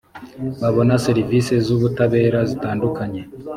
babona serivisi z ‘ubutabera zitandukanye